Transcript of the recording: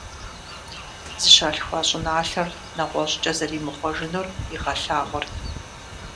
Зыщалъхуа щӀыналъэр нэгъуэщӀкӀэ зэримыхъуэжынур игъэлъагъуэрт.